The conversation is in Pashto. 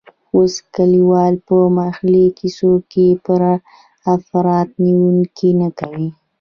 اوس کلیوال په محلي کیسو کې پر افراط نیوکې نه کوي.